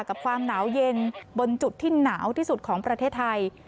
กับความหนาวเย็นบนจุดที่หนาวที่สุดของประเทศไทย